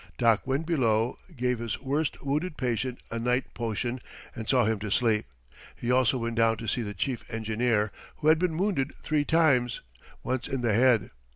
Doc went below, gave his worst wounded patient a night potion and saw him to sleep. He also went down to see the chief engineer, who had been wounded three times once in the head.